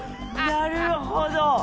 なるほど！